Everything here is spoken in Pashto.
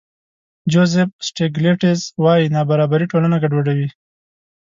جوزف سټېګلېټز وايي نابرابري ټولنه ګډوډوي.